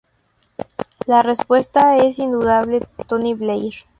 La respuesta es indudablemente Tony Blair.